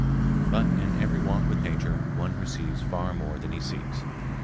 But in every walk with Nature one receives far more than he seeks.